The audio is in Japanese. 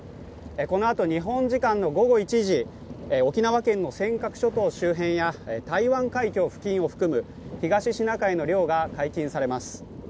このあと日本時間の午後１時に沖縄県の尖閣諸島周辺や台湾海峡付近を含む東シナ海の漁が解禁されます